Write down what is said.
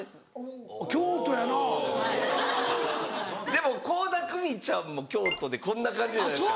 でも倖田來未ちゃんも京都でこんな感じじゃないですか。